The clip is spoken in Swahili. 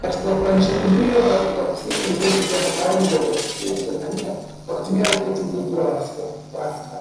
Katika Oparesheni hiyo, Afrika kusini ilikuwa ikitoa habari za ujasusi huku Tanzania wakitumia roketi dhidi ya waasi hao .